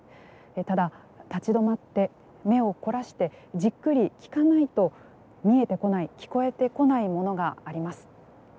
ただ立ち止まって目を凝らしてじっくり聞かないと見えてこない聞こえてこないものがあります。